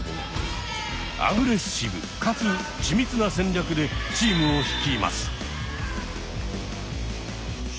アグレッシブかつ緻密な戦略でチームを率います。